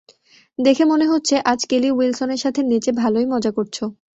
দেখে মনে হচ্ছে আজ কেলি উইলসনের সাথে নেচে ভালোই মজা করছো।